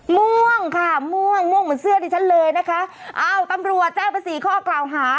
ม่วงค่ะม่วงม่วงเหมือนเสื้อดิฉันเลยนะคะอ้าวตำรวจแจ้งไปสี่ข้อกล่าวหา